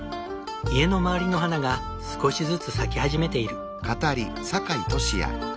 家の周りの花が少しずつ咲き始めている。